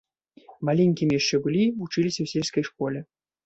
Маленькімі яшчэ былі, вучыліся ў сельскай школе.